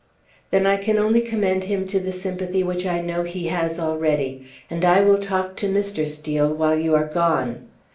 "Then I can only commend him to the sympathy which I know he has already. And I will talk to Mr. Steel while you are gone."